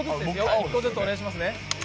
１個ずつお願いしますね。